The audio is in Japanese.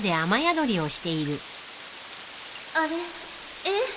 あれえっ？